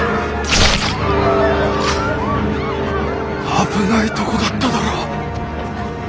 危ないとこだっただら。